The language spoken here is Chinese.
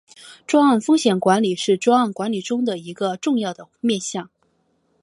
专案风险管理是专案管理中一个重要的面向。